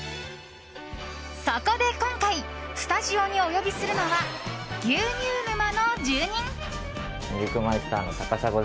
そこで今回スタジオにお呼びするのは牛乳沼の住人。